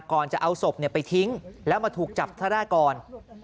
ก่อนจะเอาสบเนี่ยไปทิ้งแล้วมาถูกจับทราบกร